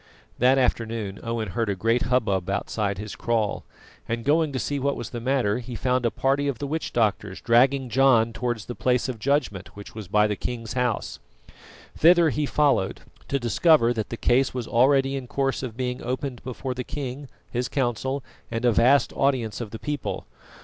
That afternoon Owen heard a great hubbub outside his kraal, and going to see what was the matter, he found a party of the witch doctors dragging John towards the place of judgment, which was by the king's house. Thither he followed to discover that the case was already in course of being opened before the king, his council, and a vast audience of the people.